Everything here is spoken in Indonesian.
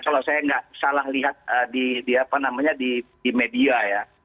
kalau saya nggak salah lihat di media ya